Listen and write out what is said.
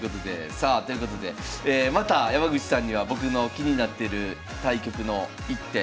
さあということでまた山口さんには僕の気になってる対局の一手